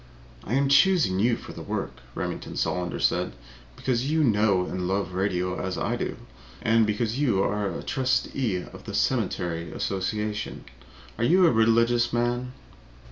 "I am choosing you for the work," Remington Solander said, "because you know and love radio as I do, and because you are a trustee of the cemetery association. Are you a religious man?"